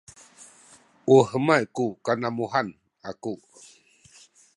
u hemay ku kanamuhan aku